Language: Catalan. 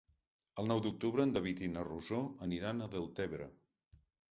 El nou d'octubre en David i na Rosó aniran a Deltebre.